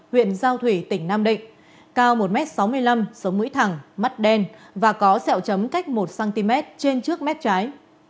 huyện giao thủy tỉnh nam định cao một m sáu mươi năm sống mũi thẳng mắt đen và có sẹo chấm cách một cm trên trước mép trái